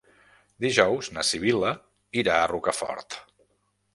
Dijous na Sibil·la irà a Rocafort.